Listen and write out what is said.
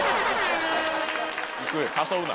誘うな。